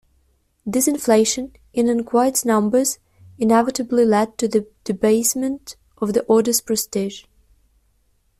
This inflation in equites' numbers inevitably led to the debasement of the order's prestige.